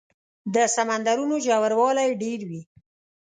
د سمندرونو ژوروالی ډېر وي.